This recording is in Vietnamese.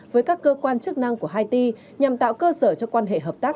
với các cơ quan chức năng của haiti nhằm tạo cơ sở cho quan hệ hợp tác